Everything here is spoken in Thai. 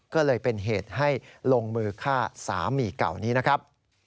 ก็เลยเป็นเหตุให้ลงมือฆ่าสามีเก่านี้นะครับ